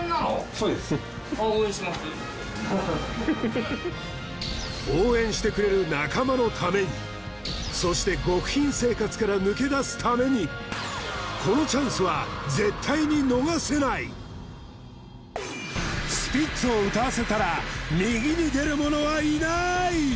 そうです応援してくれる仲間のためにそして極貧生活から抜け出すためにスピッツを歌わせたら右に出るものはいない！